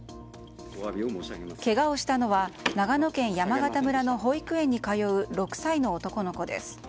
けがをしたのは長野県山形村の保育園に通う６歳の男の子です。